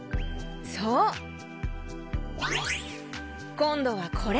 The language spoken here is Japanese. こんどはこれ。